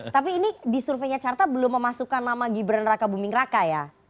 tapi ini di surveinya carta belum memasukkan nama gibran raka buming raka ya